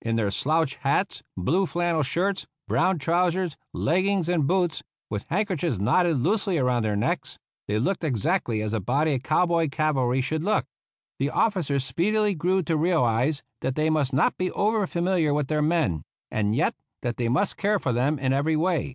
In their slouch hats, blue flannel shirts, brown trousers, leggings and boots, with handkerchiefs knotted loosely around their necks, they looked exactly as a body of cow boy cavalry should look. The officers speedily grew to realize that they must not be over familiar with their men, and yet that they must care for them in every way.